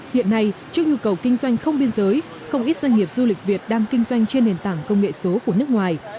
hiện nay trước nhu cầu kinh doanh không biên giới không ít doanh nghiệp du lịch việt đang kinh doanh trên nền tảng công nghệ số của nước ngoài